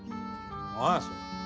何やそれ？